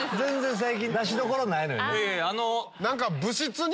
最近出しどころないのよね。